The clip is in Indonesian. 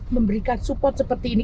memberikan support seperti ini